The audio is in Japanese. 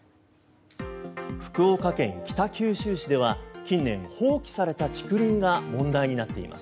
福岡県北九州市では近年、放棄された竹林が問題になっています。